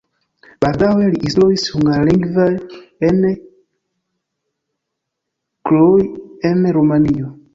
Baldaŭe li instruis hungarlingve en Cluj, en Rumanio.